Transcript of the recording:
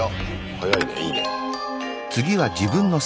早いねいいね。